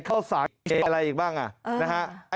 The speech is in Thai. เขาสาเกอะไรอีกบ้างอะนะฮะ